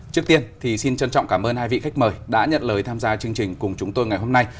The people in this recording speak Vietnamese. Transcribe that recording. trước tiên thì xin trân trọng cảm ơn hai vị khách mời đã nhận lời tham gia chương trình cùng chúng tôi ngày hôm nay